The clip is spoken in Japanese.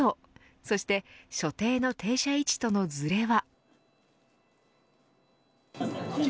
そして所定の停車位置とのずれは。